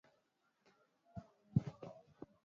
kwa ajili ya walio madarakani kwa gharama yoyote